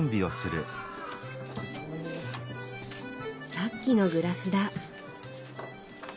さっきのグラスだ。